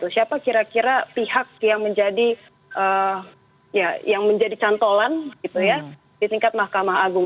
siapa kira kira pihak yang menjadi cantolan gitu ya di tingkat mahkamah agung